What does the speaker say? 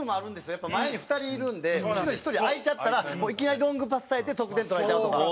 やっぱ、前に２人いるんで後ろ１人空いちゃったらいきなりロングパスされて得点取られちゃうとか。